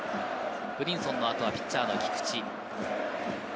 ブリンソンの後はピッチャーの菊地。